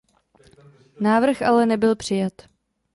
Návrh ale nebyl přijat.